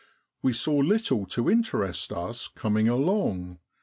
We saw little to interest us coming along.